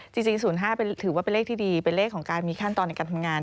จริง๐๕ถือว่าเป็นเลขที่ดีเป็นเลขของการมีขั้นตอนในการทำงาน